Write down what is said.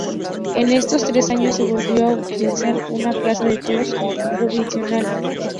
En estos tres años se volvió a utilizar una plaza de toros provisional.